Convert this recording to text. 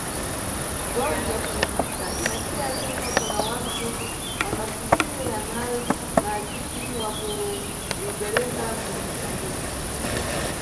Ngozi ya kulobzwika idasiya impfa kuna wanthu angafikire anayi na azindji wa kunyembereka ku Musambiki.